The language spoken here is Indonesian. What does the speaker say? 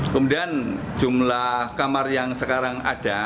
kemudian jumlah kamar yang sekarang ada